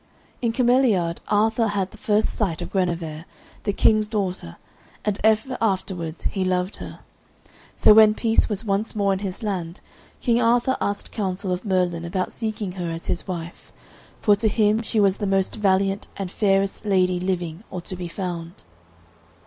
In Cameliard Arthur had the first sight of Guenever, the King's daughter, and ever afterwards he loved her. So when peace was once more in his land, King Arthur asked counsel of Merlin about seeking her as his wife, for to him she was the most valiant and fairest lady living or to be found.